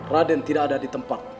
raden tidak ada di tempat